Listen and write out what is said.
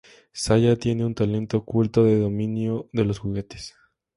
Saya tiene un talento oculto de dominio de los juguetes.